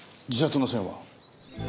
自殺の線は？